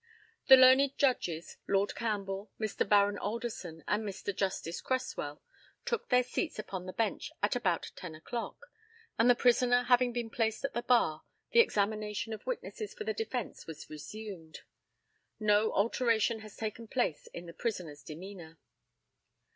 The learned Judges, Lord Campbell, Mr. Baron Alderson, and Mr. Justice Cresswell, took their seats upon the bench at about ten o'clock, and, the prisoner having been placed at the bar, the examination of witnesses for the defence was resumed. No alteration has taken place in the prisoner's demeanour.